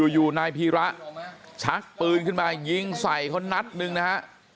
อยู่นายพีระชักปืนขึ้นมายิงใส่เขานัดหนึ่งนะฮะ